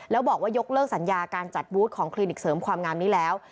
แล้วบอกว่ายกเลิกสัญญาการจัดบูธของคลินิกเสริมความงามนี้แล้ว